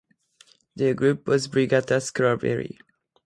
Their group was "brigata Scarabelli".